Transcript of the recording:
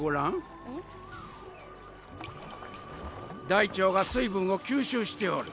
大腸が水分を吸収しておる。